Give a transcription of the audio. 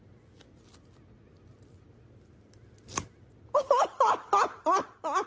アハハハ！